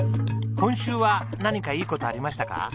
今週は何かいい事ありましたか？